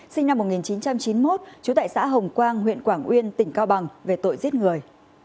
sinh năm một nghìn chín trăm chín mươi một trú tại xã hồng quang huyện quảng uyên tỉnh cao bằng về tội giết người